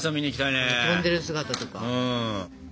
飛んでる姿とか。